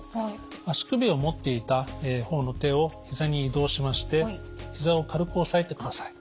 足首を持っていた方の手をひざに移動しましてひざを軽く押さえてください。